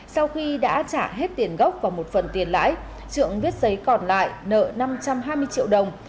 sau khi đã trả hết tiền gốc và một phần tiền lãi trưởng viết giấy còn lại nợ năm trăm hai mươi triệu đồng